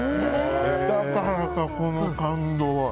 だからか、この感動は。